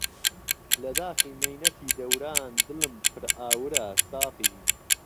لە داخی مەینەتی دەوران دلم پر ئاورە ساقی